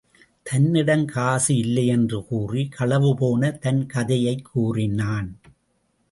தன்னிடம் காசு இல்லையென்று கூறி, களவுபோன தன் கதையைக் கூறினான்.